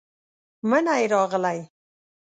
منی راغلې،